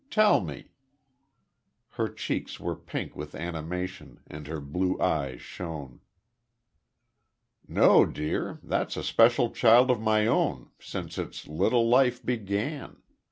Tell me." Her cheeks were pink with animation, and her blue eyes shone. "No, dear. That's a special child of my own, since it's little life began.